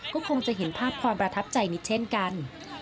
ก็คงจะเห็นภาพความประทับใจนิดเช่นกัน